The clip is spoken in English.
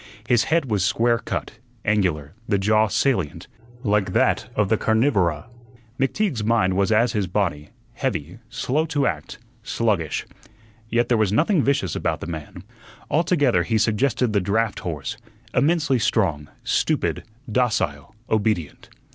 His head was square cut, angular; the jaw salient, like that of the carnivora. McTeague's mind was as his body, heavy, slow to act, sluggish. Yet there was nothing vicious about the man. Altogether he suggested the draught horse, immensely strong, stupid, docile, obedient.